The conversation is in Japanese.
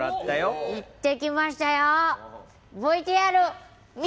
行ってきましたよ。